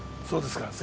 そうですか。